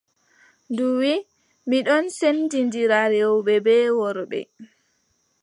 Ndu wii: mi ɗon sendindira rewɓe bee worɓe.